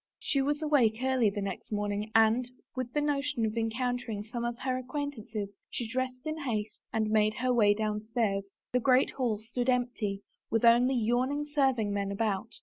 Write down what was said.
She was awake early the next morning and, with the notion of encountering some of her acquaintances, she dressed in haste and made her way downstairs. The great hall stood empty, with only yawning serving men about.